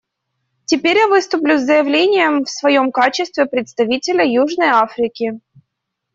Теперь я выступлю с заявлением в своем качестве представителя Южной Африки.